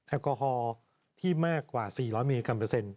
แอลกอฮอล์ที่มากกว่า๔๐๐มิลลิกรัมเปอร์เซ็นต